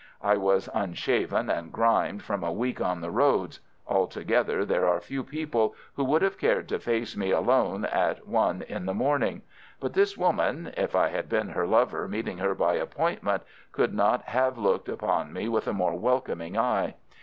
I was unshaven and grimed from a week on the roads. Altogether, there are few people who would have cared to face me alone at one in the morning; but this woman, if I had been her lover meeting her by appointment, could not have looked upon me with a more welcoming eye.